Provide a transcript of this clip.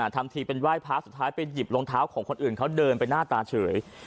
ทำทีเป็นไหว้พระสุดท้ายไปหยิบรองเท้าของคนอื่นเขาเดินไปหน้าตาเฉย